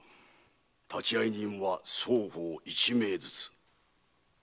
立会人は双方一名ずつ。